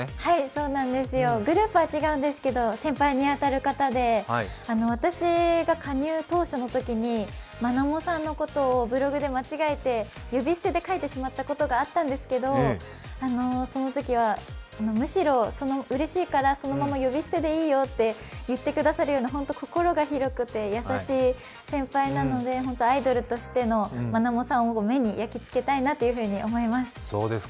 そうなんですよグループは違うんですけど先輩に当たる方で、私が加入当初のときに、愛萌さんのことをブログで間違えて呼び捨てで書いてしまったことがあったんですけどそのときはむしろ、うれしいからそのまま呼び捨てでいいよと言ってくださるような本当、心が広くて、優しい先輩なのでアイドルとしての愛萌さんを目に焼きつけたいなと思います。